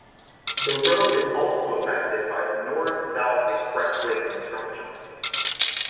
This road also is affected by the North-South Expressway construction.